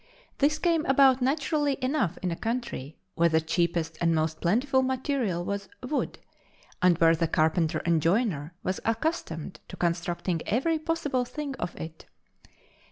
This came about naturally enough in a country where the cheapest and most plentiful material was wood, and where the carpenter and joiner was accustomed to constructing every possible thing of it.